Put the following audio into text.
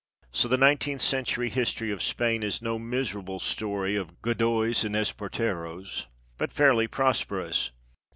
So the nineteenth century history of Spain is no miserable story of Godoys and Esparteros, but fairly prosperous.